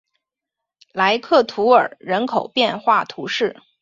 莱克图尔人口变化图示